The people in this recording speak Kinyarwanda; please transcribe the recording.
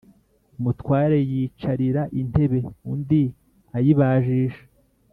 Umutware yicarira intebe undi ayibajisha.